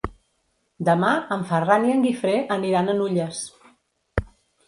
Demà en Ferran i en Guifré aniran a Nulles.